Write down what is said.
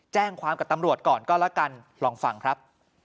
แจ้งความกับตำรวจก่อนก็แล้วกันลองฟังครับ